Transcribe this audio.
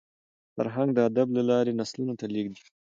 فرهنګ د ادب له لاري نسلونو ته لېږدېږي.